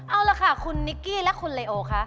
เอาล่ะค่ะคุณนิกกี้และคุณเลโอคะ